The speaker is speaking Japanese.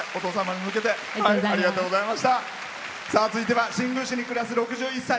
続いては新宮市に暮らす６１歳。